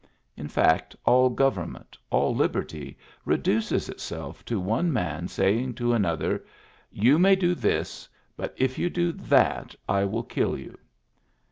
In fact, all government, all liberty, reduces itself to one man saying to another: You may do this; but if you do that^ I will kill you.